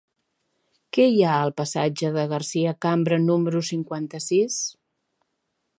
Què hi ha al passatge de Garcia Cambra número cinquanta-sis?